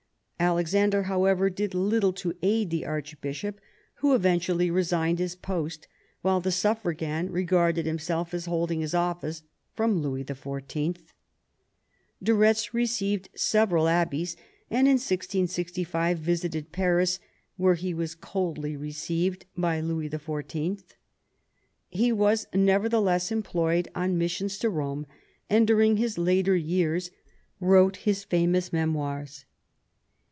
Alexander, however, did little to aid the archbishop, who eventually resigned his post, while the suffragan regarded himself as holding his office from Louis XIV. De Retz received several abbeys, and in 1665 visited Paris, where he was coldly received by Louis XIV. He was nevertheless employed on missions to Rome, and during his later years wrote his famous memoirs.